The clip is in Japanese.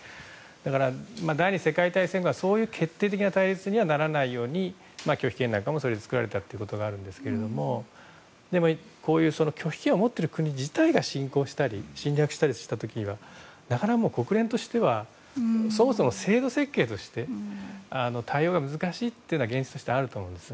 だから、第２次世界大戦後はそういう体制にならないように拒否権なんかもそれで作られたということがあるんですけどでも、拒否権を持っている国自体が侵攻したり侵略したりした時は国連としてはそもそも制度設計として対話が難しいということは現実としてあると思います。